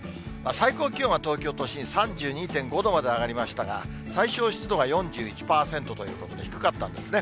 最高気温は東京都心、３２．５度まで上がりましたが、最小湿度が４１％ということで、低かったんですね。